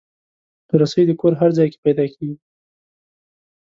رسۍ د کور هر ځای کې پیدا کېږي.